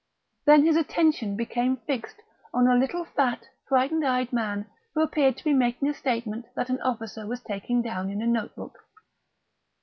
Then his attention became fixed on a little fat frightened eyed man who appeared to be making a statement that an officer was taking down in a notebook.